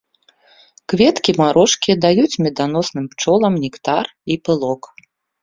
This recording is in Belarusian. Кветкі марошкі даюць меданосным пчолам нектар і пылок.